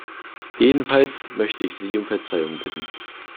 Jedenfalls möchte ich Sie um Verzeihung bitten.